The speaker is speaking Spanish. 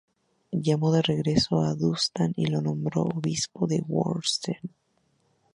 Llamó de regreso a Dunstán y lo nombró obispo de Worcester.